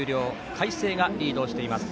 海星がリードしています。